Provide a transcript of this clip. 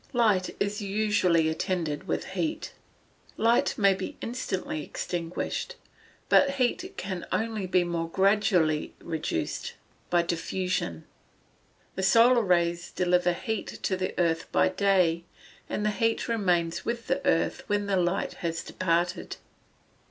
Light is usually attended with heat. Light may be instantly extinguished, but Heat can only be more gradually reduced, by diffusion. The solar rays deliver heat to the earth by day, and the heat remains with the earth when the light has departed.